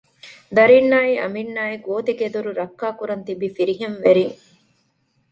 ދަރިންނާއި އަނބިންނާއި ގޯތިގެދޮރު ރައްކާ ކުރަން ތިބި ފިރިހެންވެރިން